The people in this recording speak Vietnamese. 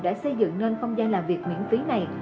đã xây dựng nên không gian làm việc miễn phí này